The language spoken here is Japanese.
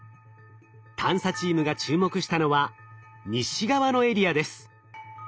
探査チームが注目したのは西側のエリアです。